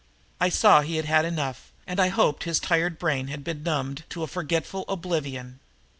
I saw he'd had enough and I hoped his tired brain had been numbed to a forgetful oblivion.